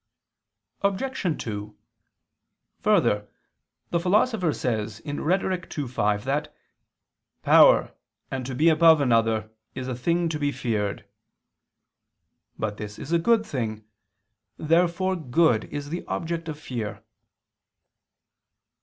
Obj. 2: Further, the Philosopher says (Rhet. ii, 5) that "power and to be above another is a thing to be feared." But this is a good thing. Therefore good is the object of fear.